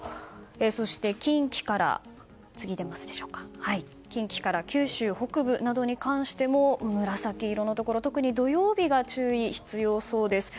そして、近畿から九州北部などに関しても紫色のところ特に土曜日は注意が必要です。